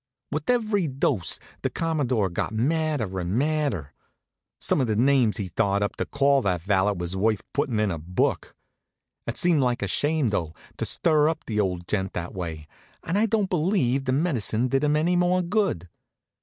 With every dose the Commodore got madder and madder. Some of the names he thought up to call that valet was worth puttin' in a book. It seemed like a shame, though, to stir up the old gent that way, and I don't believe the medicine did him any more good.